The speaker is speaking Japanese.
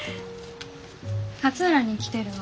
勝浦に来てるの？